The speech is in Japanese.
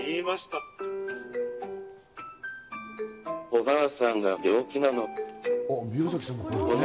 おばあさんが病気なの。